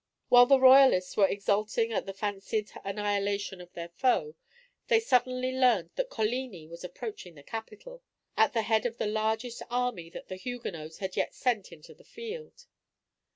While the Royalists were exulting at the fancied annihilation of their foe, they suddenly learned that Coligni was approaching the capital, at the head of the largest army that the Huguenots had yet sent into the field.